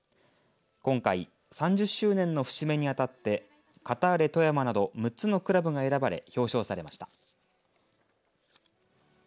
今回３０周年の節目にあたってカターレ富山など６つのクラブが選ばれ表彰されました。